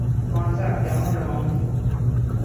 Concert কেমন হল, মামুনি?